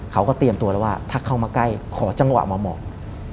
เขาก็เตรียมตัวแล้วว่าถ้าเข้ามาใกล้ขอจังหวะมามอง